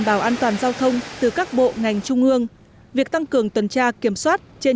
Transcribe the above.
bảo an toàn giao thông từ các bộ ngành trung ương việc tăng cường tuần tra kiểm soát trên